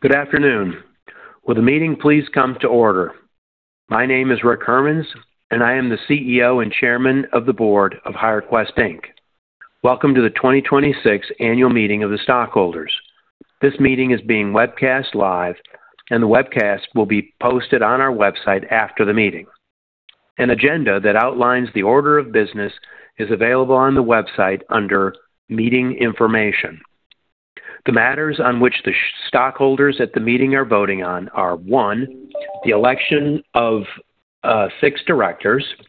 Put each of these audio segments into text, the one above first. Good afternoon. Will the meeting please come to order? My name is Rick Hermanns, and I am the CEO and Chairman of the Board of HireQuest, Inc. Welcome to the 2026 Annual Meeting of the Stockholders. This meeting is being webcast live. The webcast will be posted on our website after the meeting. An agenda that outlines the order of business is available on the website under Meeting Information. The matters on which the stockholders at the meeting are voting on are one, the election of six directors, two,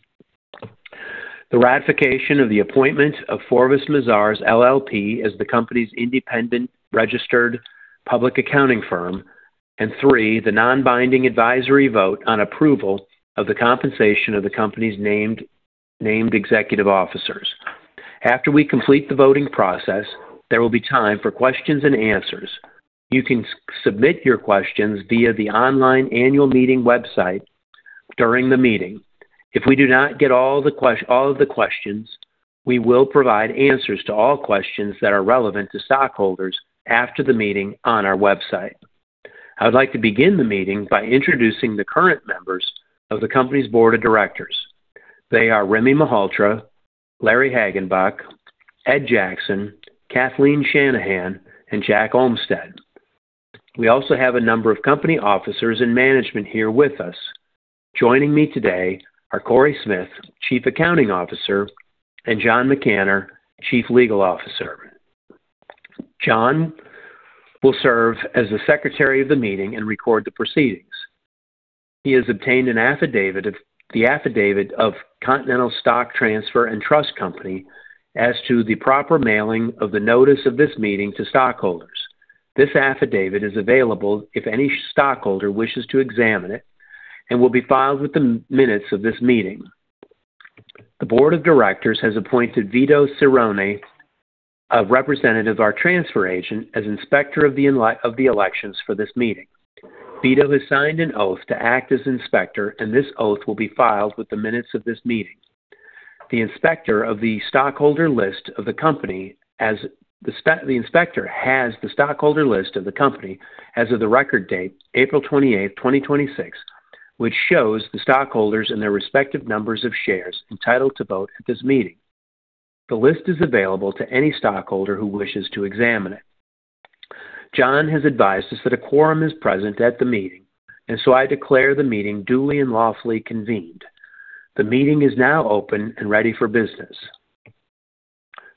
the ratification of the appointment of Forvis Mazars LLP as the company's independent registered public accounting firm, and three, the non-binding advisory vote on approval of the compensation of the company's named executive officers. After we complete the voting process, there will be time for questions and answers. You can submit your questions via the online annual meeting website during the meeting. If we do not get all of the questions, we will provide answers to all questions that are relevant to stockholders after the meeting on our website. I would like to begin the meeting by introducing the current members of the company's board of directors. They are Remy Malhotra, Larry Hagenbuch, Ed Jackson, Kathleen Shanahan, and Jack Olmstead. We also have a number of company officers and management here with us. Joining me today are Cory Smith, Chief Accounting Officer, and John McAnnar, Chief Legal Officer. John will serve as the secretary of the meeting and record the proceedings. He has obtained an affidavit of Continental Stock Transfer & Trust Company as to the proper mailing of the notice of this meeting to stockholders. This affidavit is available if any stockholder wishes to examine it and will be filed with the minutes of this meeting. The board of directors has appointed Vito Cerrone, a representative of our transfer agent, as Inspector of Election for this meeting. Vito has signed an oath to act as Inspector, and this oath will be filed with the minutes of this meeting. The Inspector has the stockholder list of the company as of the record date, April 28th, 2026, which shows the stockholders and their respective numbers of shares entitled to vote at this meeting. The list is available to any stockholder who wishes to examine it. John has advised us that a quorum is present at the meeting, so I declare the meeting duly and lawfully convened. The meeting is now open and ready for business.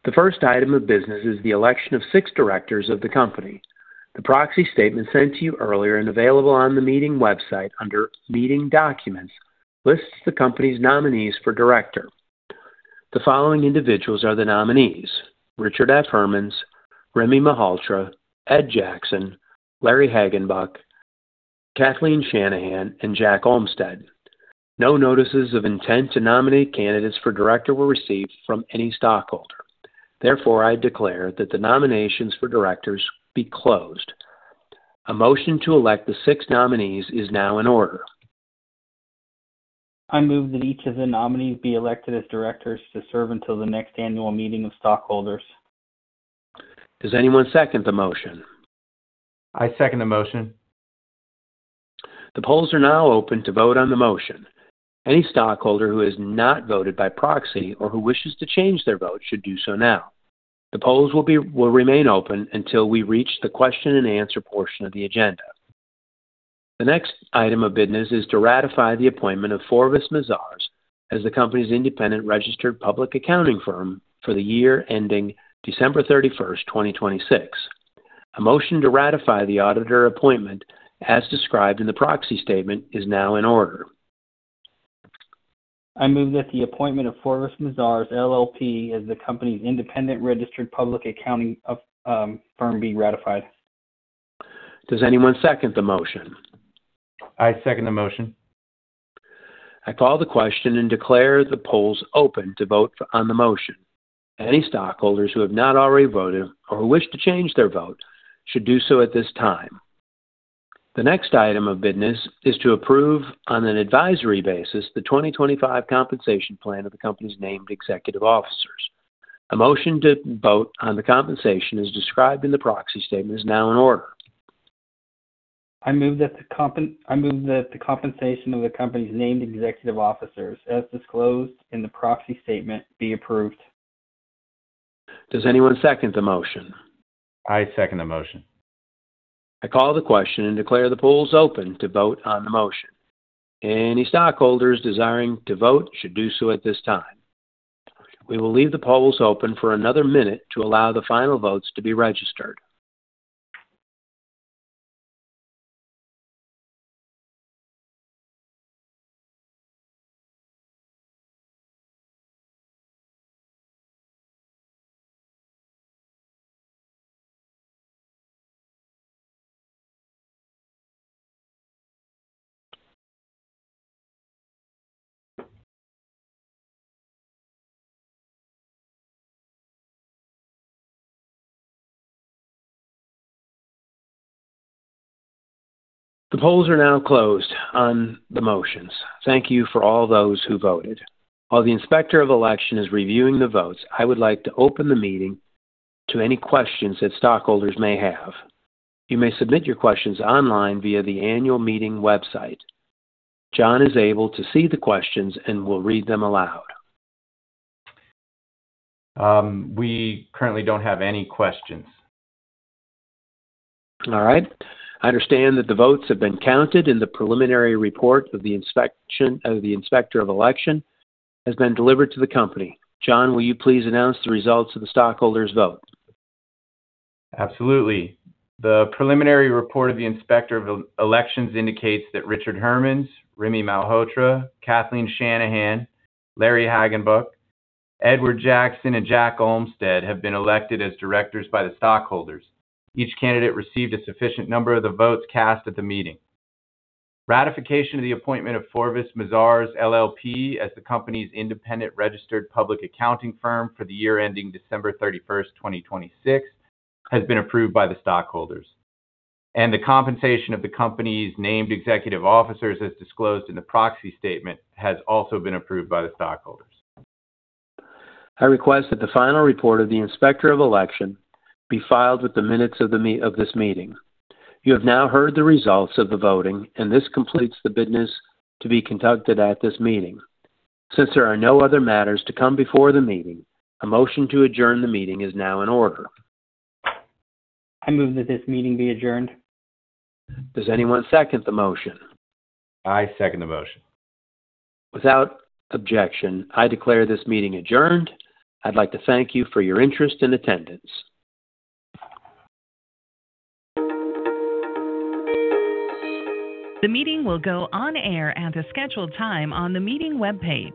The first item of business is the election of six directors of the company. The proxy statement sent to you earlier and available on the meeting website under Meeting Documents lists the company's nominees for director. The following individuals are the nominees: Richard F. Hermanns, Remy Malhotra, Ed Jackson, Larry Hagenbuch, Kathleen Shanahan, and Jack Olmstead. No notices of intent to nominate candidates for director were received from any stockholder. Therefore, I declare that the nominations for directors be closed. A motion to elect the six nominees is now in order. I move that each of the nominees be elected as directors to serve until the next annual meeting of stockholders. Does anyone second the motion? I second the motion. The polls are now open to vote on the motion. Any stockholder who has not voted by proxy or who wishes to change their vote should do so now. The polls will remain open until we reach the question and answer portion of the agenda. The next item of business is to ratify the appointment of Forvis Mazars as the company's independent registered public accounting firm for the year ending December 31st, 2026. A motion to ratify the auditor appointment as described in the proxy statement is now in order. I move that the appointment of Forvis Mazars, LLP as the company's independent registered public accounting firm be ratified. Does anyone second the motion? I second the motion. I call the question and declare the polls open to vote on the motion. Any stockholders who have not already voted or who wish to change their vote should do so at this time. The next item of business is to approve on an advisory basis the 2025 compensation plan of the company's named executive officers. A motion to vote on the compensation as described in the proxy statement is now in order. I move that the compensation of the company's named executive officers as disclosed in the proxy statement be approved. Does anyone second the motion? I second the motion. I call the question and declare the polls open to vote on the motion. Any stockholders desiring to vote should do so at this time. We will leave the polls open for another minute to allow the final votes to be registered. The polls are now closed on the motions. Thank you for all those who voted. While the Inspector of Election is reviewing the votes, I would like to open the meeting to any questions that stockholders may have. You may submit your questions online via the annual meeting website. John is able to see the questions and will read them aloud. We currently don't have any questions. All right. I understand that the votes have been counted and the preliminary report of the Inspector of Election has been delivered to the company. John, will you please announce the results of the stockholders' vote? Absolutely. The preliminary report of the Inspector of Election indicates that Richard Hermanns, Remy Malhotra, Kathleen Shanahan, Larry Hagenbuch, Edward Jackson, and Jack Olmstead have been elected as directors by the stockholders. Each candidate received a sufficient number of the votes cast at the meeting. Ratification of the appointment of Forvis Mazars, LLP as the company's independent registered public accounting firm for the year ending December 31st, 2026, has been approved by the stockholders. The compensation of the company's named executive officers, as disclosed in the proxy statement, has also been approved by the stockholders. I request that the final report of the Inspector of Election be filed with the minutes of this meeting. You have now heard the results of the voting, and this completes the business to be conducted at this meeting. Since there are no other matters to come before the meeting, a motion to adjourn the meeting is now in order. I move that this meeting be adjourned. Does anyone second the motion? I second the motion. Without objection, I declare this meeting adjourned. I'd like to thank you for your interest and attendance. The meeting will go on air at the scheduled time on the meeting webpage.